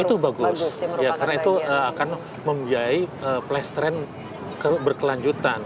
itu bagus karena itu akan membiayai playstrend berkelanjutan